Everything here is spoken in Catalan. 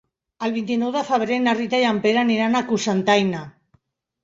El vint-i-nou de febrer na Rita i en Pere aniran a Cocentaina.